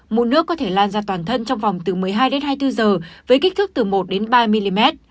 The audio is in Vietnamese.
mu nước có thể lan ra toàn thân trong vòng từ một mươi hai đến hai mươi bốn giờ với kích thước từ một đến ba mm